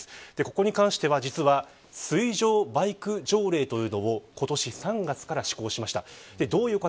ここに関しては、実は水上バイク条例というのを今年３月から施行しました。